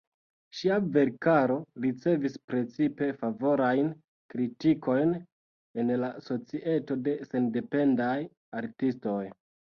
Ŝia verkaro ricevis precipe favorajn kritikojn en la Societo de Sendependaj Artistoj.